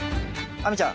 亜美ちゃん。